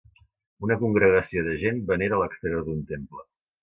Una congregació de gent venera a l'exterior d'un temple.